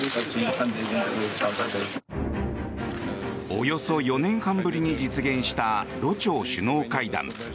およそ４年半ぶりに実現したロ朝首脳会談。